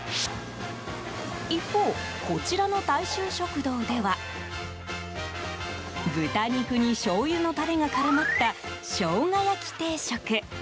一方、こちらの大衆食堂では豚肉にしょうゆのタレが絡まった生姜焼定食。